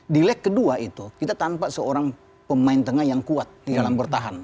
di lag kedua itu kita tanpa seorang pemain tengah yang kuat di dalam bertahan